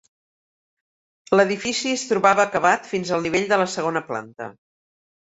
L'edifici es trobava acabat fins al nivell de la segona planta.